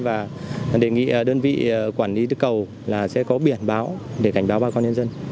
và đề nghị đơn vị quản lý đất cầu là sẽ có biển báo để cảnh báo bà con nhân dân